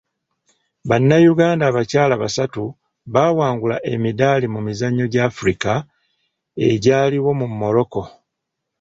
Bannayuganda abakyala basatu baawangula emidaali mu mizannyo gya Afirika egyaliwo mu Morocco